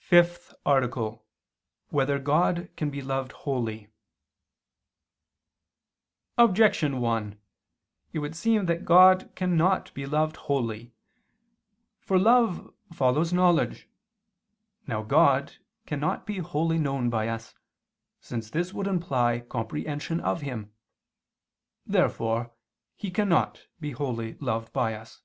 _______________________ FIFTH ARTICLE [II II, Q. 27, Art. 5] Whether God can be loved wholly? [*Cf. Q. 184, A. 2] Objection 1: It would seem that God cannot be loved wholly. For love follows knowledge. Now God cannot be wholly known by us, since this would imply comprehension of Him. Therefore He cannot be wholly loved by us.